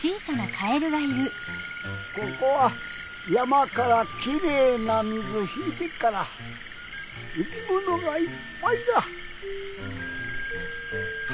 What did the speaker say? ここは山からきれいな水引いてっから生きものがいっぱいだ。